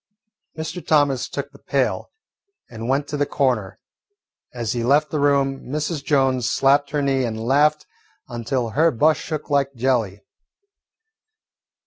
Mr. Thomas took the pail and went to the corner. As he left the room, Mrs. Jones slapped her knee and laughed until her bust shook like jelly.